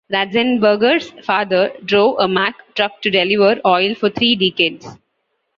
Ratzenberger's father drove a Mack truck to deliver oil for three decades.